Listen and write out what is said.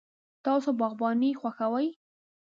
تاسو باغباني خوښوئ؟